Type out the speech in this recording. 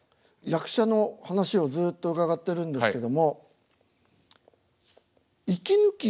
役者の話をずっと伺ってるんですけども息抜き。